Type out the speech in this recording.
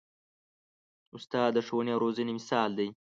استاد د ښوونې او روزنې مثال دی.